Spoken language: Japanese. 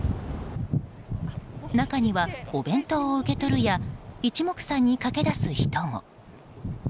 中にはお弁当を受け取るや一目散に駆け出す人も。